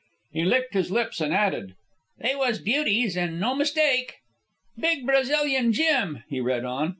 He licked his lips and added, "They was beauties an' no mistake." "Big Brazilian gem," he read on.